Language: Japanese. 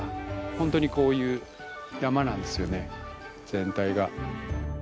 本当にこういう山なんですよね全体が。